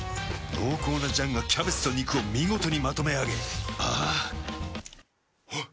濃厚な醤がキャベツと肉を見事にまとめあげあぁあっ。